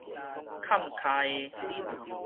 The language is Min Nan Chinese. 崁跤下